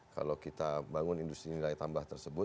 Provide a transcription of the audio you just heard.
kalau kita bangun industri nilai tambah tersebut